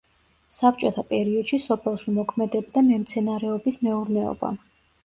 საბჭოთა პერიოდში სოფელში მოქმედებდა მემცენარეობის მეურნეობა.